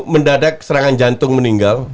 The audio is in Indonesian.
mendadak serangan jantung meninggal